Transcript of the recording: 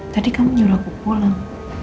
tadi kamu nyuruh aku pulang